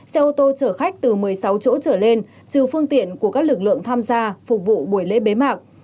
xe ô tô chở khách từ một mươi sáu chỗ trở lên trừ phương tiện của các lực lượng tham gia phục vụ buổi lễ bế mạc